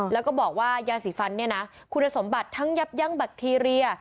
แล้วก็บอกว่ายาสีฟันเนี่ยนะคุณสมบัติทั้งยับยั่งแบคทีเรีย